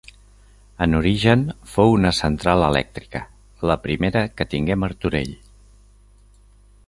En origen fou una central elèctrica, la primera que tingué Martorell.